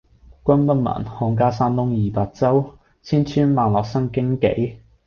君不聞，漢家山東二百州，千村萬落生荊杞！